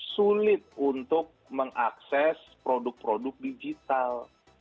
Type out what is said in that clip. sulit untuk mengakses produk produk digital